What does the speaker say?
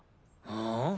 ああ？